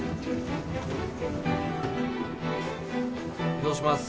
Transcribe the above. ・移動します。